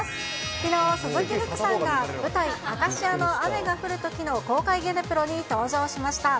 きのう、鈴木福さんが舞台、アカシアの雨が降る時の公開ゲネプロに登場しました。